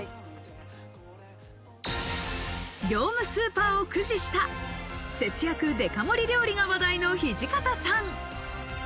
業務スーパーを駆使した節約デカ盛り料理が話題の土方さん。